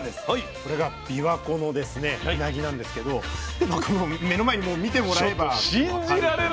これがびわ湖のうなぎなんですけどこの目の前の見てもらえれば。